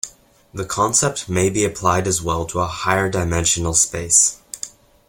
The concept may be applied as well to a higher-dimensional space.